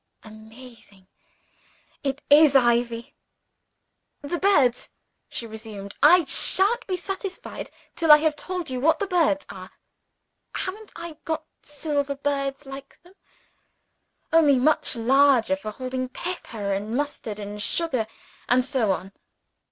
"Amazing! it is ivy." "The birds," she resumed. "I shan't be satisfied till I have told you what the birds are. Haven't I got silver birds like them only much larger for holding pepper, and mustard, and sugar, and so on.